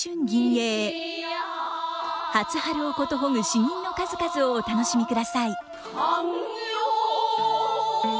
初春をことほぐ詩吟の数々をお楽しみください。